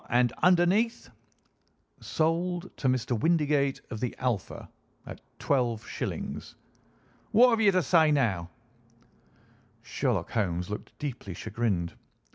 And underneath?" "'Sold to Mr. Windigate of the Alpha, at 12_s_.'" "What have you to say now?" Sherlock Holmes looked deeply chagrined.